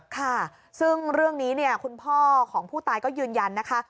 ค่ะซึ่งเรื่องนี้เนี่ยคุณพ่อของผู้ตายก็ยืนยันนะคะ